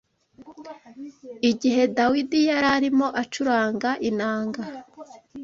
Igihe Dawidi yari arimo acuranga inanga